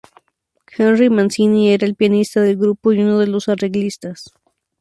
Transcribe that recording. Henry Mancini era el pianista del grupo y uno de los arreglistas.